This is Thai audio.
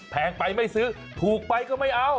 แพงไปไม่ซื้อถูกไปก็ไม่เอา